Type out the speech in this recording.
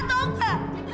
nih kau berpikir apa